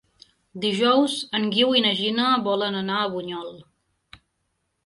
Dijous en Guiu i na Gina volen anar a Bunyol.